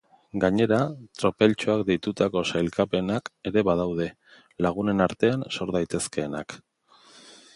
Gainera, tropeltxoak deitutako sailkapenak ere badaude, lagunen artean sor daitezkeenak.